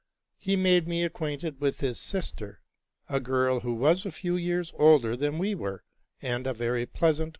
He made me acquainted with his sister, a girl who was a few years older than we were, and a very ple: asant.